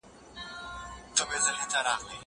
زه اوس لیکل کوم!